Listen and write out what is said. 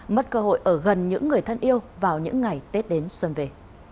mất cơ hội ở gần những người thân yêu vào những ngày tết đến xuân về